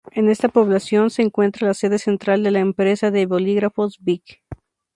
En esta población se encuentra la sede central de la empresa de bolígrafos Bic.